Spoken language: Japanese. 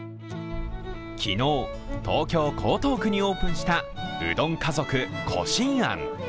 昨日、東京・江東区にオープンしたうどん家族小進庵。